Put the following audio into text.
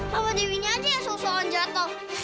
mama dewi aja yang susah aja toh